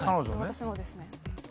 私のですね